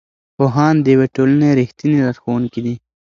پوهان د یوې ټولنې رښتیني لارښوونکي دي.